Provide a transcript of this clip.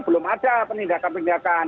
belum ada penindakan penindakan